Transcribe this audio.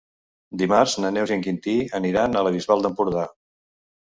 Dimarts na Neus i en Quintí aniran a la Bisbal d'Empordà.